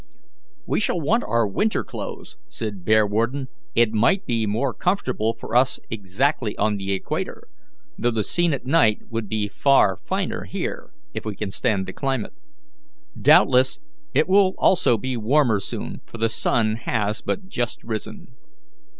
"We shall want our winter clothes," said Bearwarden; "it might be more comfortable for us exactly on the equator, though the scene at night will be far finer here, if we can stand the climate. Doubtless it will also be warmer soon, for the sun has but just risen."